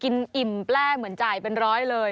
อิ่มแปลเหมือนจ่ายเป็นร้อยเลย